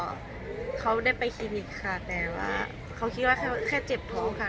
ก็เขาได้ไปคลินิกค่ะแต่ว่าเขาคิดว่าแค่เจ็บท้องค่ะ